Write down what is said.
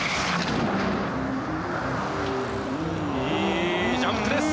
いいジャンプです！